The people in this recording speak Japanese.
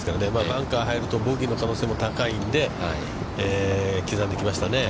バンカーに入るとボギーの可能性も高いので、刻んできましたね。